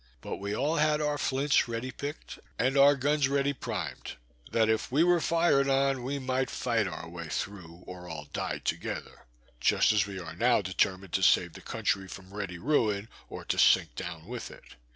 But we all had our flints ready picked, and our guns ready primed, that if we were fired on we might fight our way through, or all die together; just as we are now determined to save the country from ready ruin, or to sink down with it.